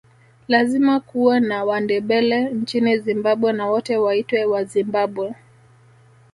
Lazima kuwe na Wandebele nchini Zimbabwe na wote waitwe Wazimbabwe